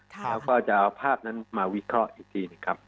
แล้วก็จะเอาภาพนั้นมาวิเคราะห์อีกทีหนึ่งครับ